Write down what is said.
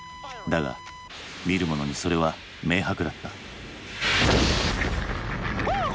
だが見る者にそれは明白だった。